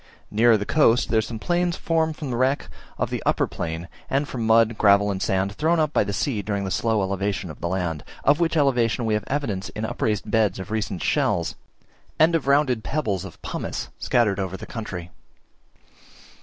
Nearer the coast there are some plains formed from the wreck of the upper plain, and from mud, gravel, and sand thrown up by the sea during the slow elevation of the land, of which elevation we have evidence in upraised beds of recent shells, and in rounded pebbles of pumice scattered over the country.